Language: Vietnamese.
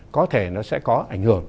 có thể nó sẽ có ảnh hưởng